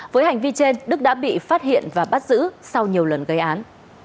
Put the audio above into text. với hành vi trên đức đã bị phát hiện và bắt giữ sau nhiều lần gây án